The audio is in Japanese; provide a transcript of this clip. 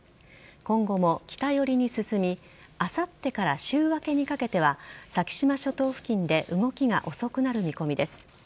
今後も来た寄りに進みあさってから週明けにかけては先島諸島付近で動きが遅くなる見込みです。